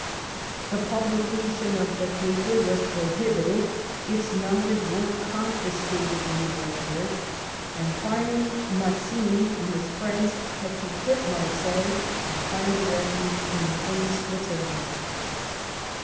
The publication of the paper was prohibited, its numbers were confiscated when they appeared, and finally Mazzini and his friends had to quit Marseilles and find a refuge in free Switzerland.